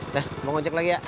dah mau ngonjek lagi ya